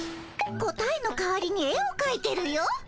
答えの代わりに絵をかいてるよ。